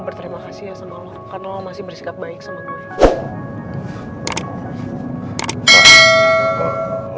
berterima kasih ya sama allah karena masih bersikap baik sama kalian